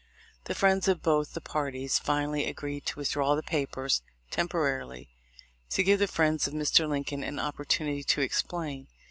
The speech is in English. The friends of both the parties finally agreed to withdraw the papers (tem porarily) to give the friends of Mr. Lincoln an opportunity to explain.